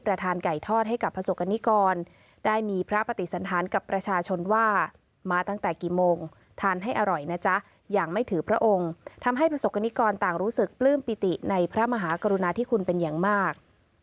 ทานไก่ทอดให้กับประสบกรณิกรได้มีพระปฏิสันธารกับประชาชนว่ามาตั้งแต่กี่โมงทานให้อร่อยนะจ๊ะอย่างไม่ถือพระองค์ทำให้ประสบกรณิกรต่างรู้สึกปลื้มปิติในพระมหากรุณาธิคุณเป็นอย่างมาก